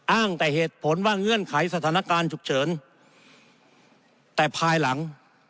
อ้างแต่เหตุผลว่าเงื่อนไขสถานการณ์ฉุกเฉินแต่ภายหลัง